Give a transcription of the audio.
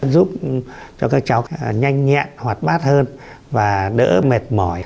giúp cho các cháu nhanh nhẹn hoạt bát hơn và đỡ mệt mỏi